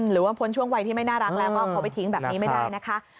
หรือว่าพ้นช่วงวัยที่ไม่น่ารักแล้วก็เอาเขาไปทิ้งแบบนี้ไม่ได้นะคะ